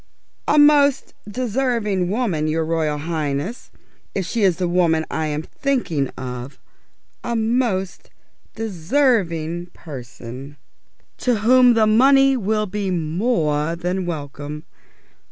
"A most deserving woman, your Royal Highness. If she is the woman I'm thinking of, a most deserving person, to whom the money will be more than welcome.